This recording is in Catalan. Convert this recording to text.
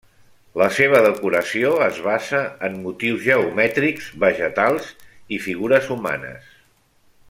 La seva decoració es basa en motius geomètrics, vegetals i figures humanes.